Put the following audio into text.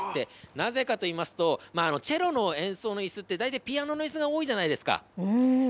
なぜかといいますと、チェロの演奏のいすって、大体、ピアノのいすが多いじゃないですか。